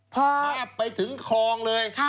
ภาพไปถึงคลองเลย